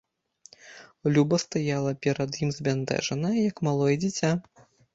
Люба стаяла перад ім збянтэжаная, як малое дзіця.